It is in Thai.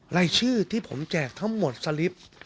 รายชื่อที่ผมแจกทั้งหมดสลิป